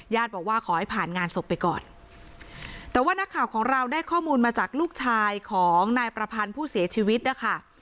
บอกว่าขอให้ผ่านงานศพไปก่อนแต่ว่านักข่าวของเราได้ข้อมูลมาจากลูกชายของนายประพันธ์ผู้เสียชีวิตนะคะ